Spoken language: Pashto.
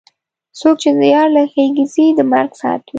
څوک چې یار له غېږې ځي د مرګ ساعت وي.